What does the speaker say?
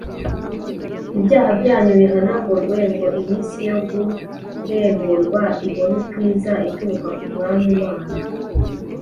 ibyaha byanyu bihanagurwe, ngo iminsi yo guhemburwa ibone uko iza, ituruka ku Mwami Imana”